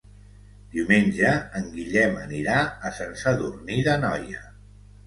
Diumenge en Guillem anirà a Sant Sadurní d'Anoia.